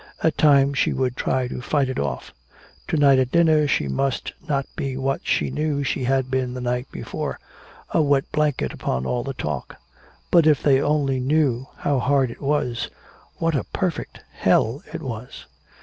At times she would try to fight it off. To night at dinner she must not be what she knew she had been the night before, a wet blanket upon all the talk. But if they only knew how hard it was what a perfect hell it was!